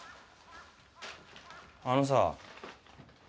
あのさあ。